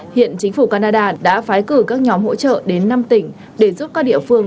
hiện chính phủ canada đã phái cử các nhóm hỗ trợ đến năm tỉnh để giúp các địa phương